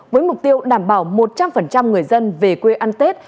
với mục tiêu đảm bảo một trăm linh người dân về quê ăn tết